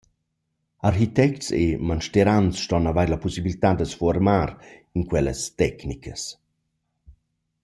Architects e mansterans ston avair la pussibiltà da’s fuormar in quellas tecnicas.